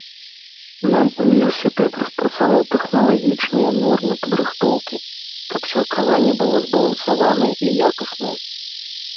Нам універсітэт распрацаваў тэхналагічныя нормы падрыхтоўкі, каб сілкаванне было збалансаванае і якаснае.